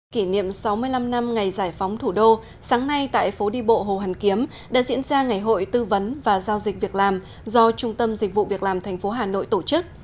kỷ niệm sáu mươi năm năm ngày giải phóng thủ đô sáng nay tại phố đi bộ hồ hàn kiếm đã diễn ra ngày hội tư vấn và giao dịch việc làm do trung tâm dịch vụ việc làm tp hà nội tổ chức